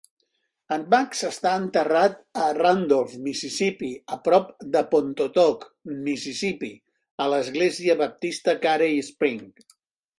En Max està enterrat a Randolph, Mississippi, a prop de Pontotoc, Mississippi a l'església baptista Carey Springs.